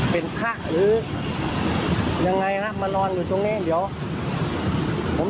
หลวงพี่หลวงพี่ทำไมมานอนตรงนี้หรือครับ